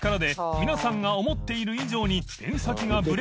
皆さんが思っている以上に撻鸚茲屮譴